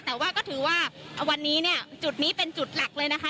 แต่ว่าก็ถือว่าวันนี้เนี่ยจุดนี้เป็นจุดหลักเลยนะคะ